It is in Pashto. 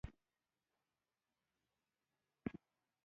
موزیک د ښکلا تفسیر دی.